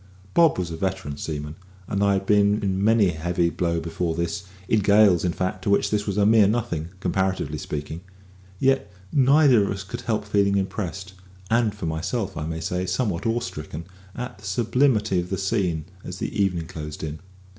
Bob was a veteran seaman, and I had been in many a heavy blow before this in gales, in fact, to which this was a mere nothing, comparatively speaking; yet neither of us could help feeling impressed and for myself I may say somewhat awe stricken at the sublimity of the scene as the evening closed in.